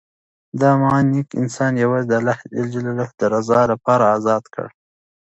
ما دا نېک انسان یوازې د الله د رضا لپاره ازاد کړ.